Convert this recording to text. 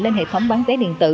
lên hệ thống bán vé điện tử